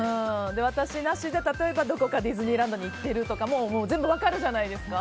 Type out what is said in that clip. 私なしで例えばどこかディズニーランドに行ってるとかも全部かるじゃないですか。